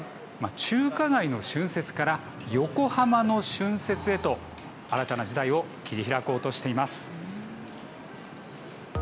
中華街の春節から横浜の春節へと新たな時代を切り開こうとしています。